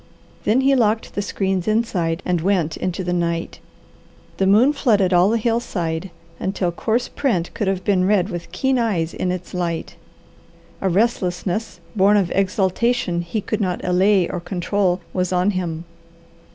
Then he locked the screens inside and went into the night. The moon flooded all the hillside, until coarse print could have been read with keen eyes in its light. A restlessness, born of exultation he could not allay or control, was on him.